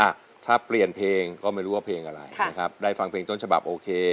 อ่ะถ้าเปลี่ยนเพลงก็ไม่รู้ว่าเพลงอะไรนะครับได้ฟังเพลงต้นฉบับโอเค